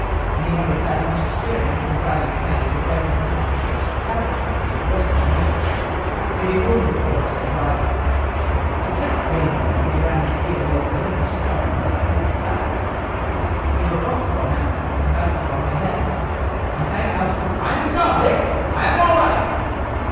Anyone who has had much experience in driving at night is aware that in such a case the carriage lamps are worse than useless; they bewilder the horse and the driver. I cannot blame Dick if he ran his wheel over a heap of stones that upset the trap. We were both thrown out, and I fell on my head. I sang out: "Mind the cob, Dick; I am all right."